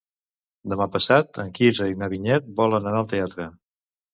Demà passat en Quirze i na Vinyet volen anar al teatre.